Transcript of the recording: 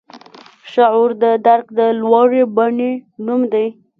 شعور د درک د لوړې بڼې نوم دی.